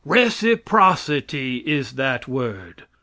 Reciprocity is that word.